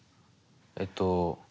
えっと